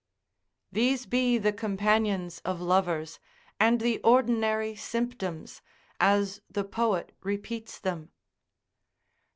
These be the companions of lovers, and the ordinary symptoms, as the poet repeats them.